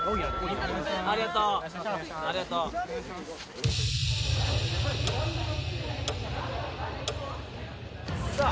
ありがとう。さあ。